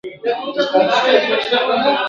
تور او سپین او سره او شنه یې وه رنګونه ..